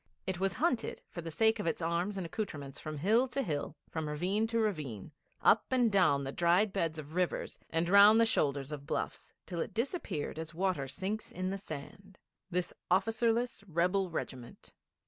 It was hunted for the sake of its arms and accoutrements from hill to hill, from ravine to ravine, up and down the dried beds of rivers and round the shoulders of bluffs, till it disappeared as water sinks in the sand this officerless, rebel regiment.